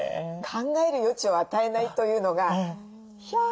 「考える余地を与えない」というのがヒャー！みたいな。